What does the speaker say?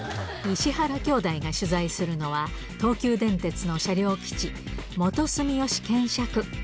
石原兄弟が取材するのは、東急電鉄の車両基地、元住吉検車区。